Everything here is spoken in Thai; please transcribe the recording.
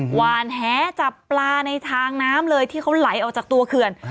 หวานแหจับปลาในทางน้ำเลยที่เขาไหลออกจากตัวเขื่อน